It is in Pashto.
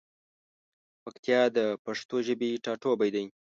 پکتیا د پښتو ژبی ټاټوبی دی.